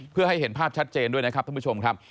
เพื่อให้เห็นภาพชัดเจนด้วยนะครับท่านผู้ชมครับ